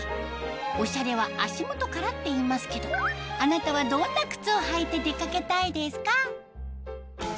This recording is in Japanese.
オシャレは足元からっていいますけどあなたはどんな靴をはいて出かけたいですか？